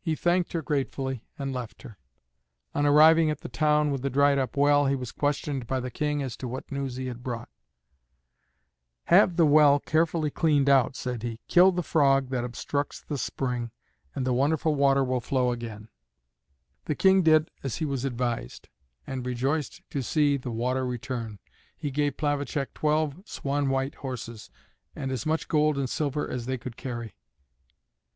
He thanked her gratefully and left her. On arriving at the town with the dried up well, he was questioned by the King as to what news he had brought. "Have the well carefully cleaned out," said he, "kill the frog that obstructs the spring, and the wonderful water will flow again." The King did as he was advised, and rejoiced to see the water return. He gave Plavacek twelve swan white horses, and as much gold and silver as they could carry.